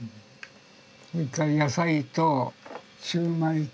それから野菜とシューマイと。